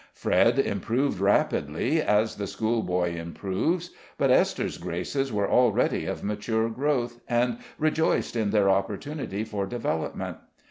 Fred improved rapidly, as the schoolboy improves; but Esther's graces were already of mature growth, and rejoiced in their opportunity for development.